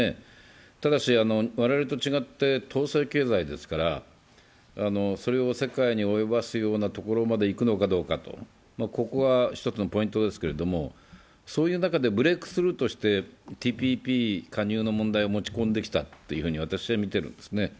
ただし我々と違って統制経済ですから、それを世界に及ばすところまでいくのかどうかが一つのポイントですけれども、そういう中で、ブレークスルーとしてＴＰＰ加盟の問題を持ち込んできたと私は見ているんです。